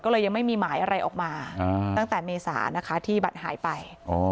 ก็เลยยังไม่มีหมายอะไรออกมาตั้งแต่เมษานะคะที่บัตรหายไป